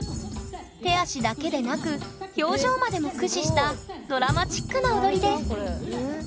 手足だけでなく表情までも駆使したドラマチックな踊りです。